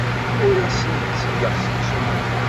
Ur asen-d-ttgeɣ seksu.